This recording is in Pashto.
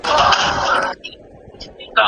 د نجونو زده کړه د هېواد د نیمایي نفوس حق دی.